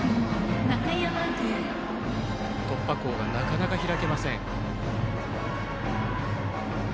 突破口がなかなか開けません。